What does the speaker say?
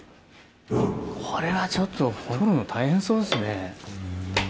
これはちょっと取るの大変そうですね。